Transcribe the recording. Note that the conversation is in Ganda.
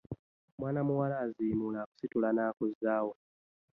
Mwana muwala azimuula akusitula n'akuzaawo .